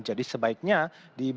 jadi sebaiknya diberikan